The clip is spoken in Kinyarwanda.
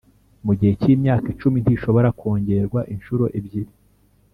Mu gihe cy’imyaka icumi ntishobora kongerwa inshuro ebyiri